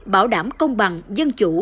bảo đảm công bằng dân chủ